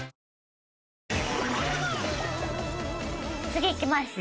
次いきます。